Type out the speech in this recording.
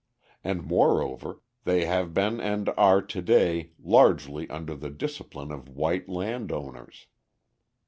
And moreover they have been and are to day largely under the discipline of white land owners.